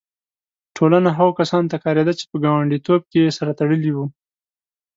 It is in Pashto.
ټولنه هغو کسانو ته کارېده چې په ګانډیتوب کې سره تړلي وي.